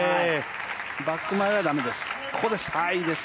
バック前はだめです。